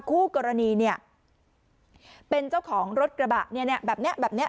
คู่กรณีเนี่ยเป็นเจ้าของรถกระบะเนี่ยแบบเนี้ยแบบเนี้ย